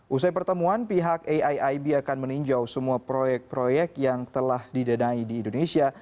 usai pertemuan pihak aiib akan meninjau semua proyek proyek yang telah didanai di indonesia